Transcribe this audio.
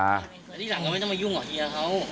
อันนี้นี่เราไม่ต้องมายุ่งกับเฮียเขา